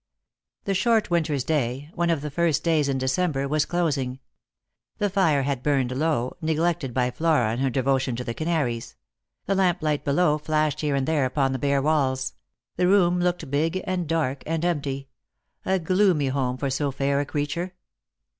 The short winter's day — one of the first days in December was closing. The fire had burned low, neglected by Flora in her devotion to the canaries ; the lamplight from below flashed here and there upon the bare walls ; the room looked big and dark and empty — a gloomy home for so fair a creature.